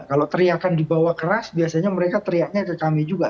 kalau teriakan dibawa keras biasanya mereka teriaknya ke kami juga